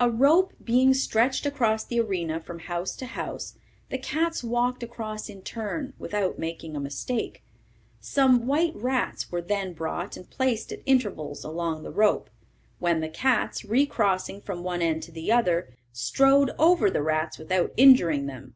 A rope being stretched across the arena from house to house, the cats walked across in turn, without making a mistake. Some white rats were then brought and placed at intervals along the rope, when the cats, re crossing from one end to the other, strode over the rats without injuring them.